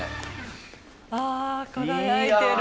あ輝いてる。